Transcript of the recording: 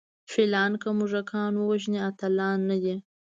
فیلان که موږکان ووژني اتلان نه دي.